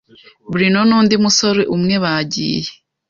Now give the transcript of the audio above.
Bruno nundi musore umwe bagiye